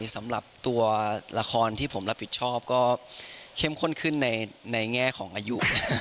สำหรับตัวละครที่ผมรับผิดชอบก็เข้มข้นขึ้นในแง่ของอายุ